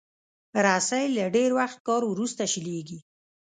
رسۍ له ډېر وخت کار وروسته شلېږي.